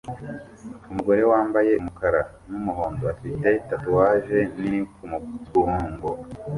Umugore wambaye umukara n'umuhondo afite tatuwaje nini kumugongo